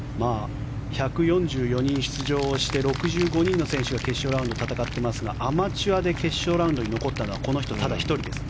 １４４人出場して６５人の選手が決勝ラウンド、戦っていますがアマチュアで決勝ラウンドに残ったのはこの人ただ１人です。